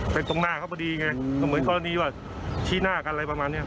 ตรงหน้าเขาพอดีไงก็เหมือนกรณีว่าชี้หน้ากันอะไรประมาณนี้